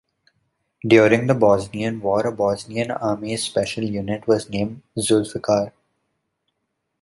During the Bosnian War, a Bosnian army's special unit was named "Zulfikar".